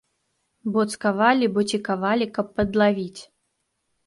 Бо цкавалі, бо цікавалі, каб падлавіць.